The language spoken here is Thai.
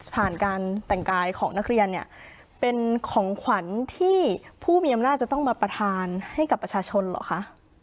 การแต่งกายของนักเรียนเนี่ยเป็นของขวัญที่ผู้มีอำนาจจะต้องมาประทานให้กับประชาชนเหรอคะ